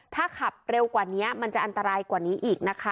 ถ้าขับเร็วกว่านี้มันจะอันตรายกว่านี้อีกนะคะ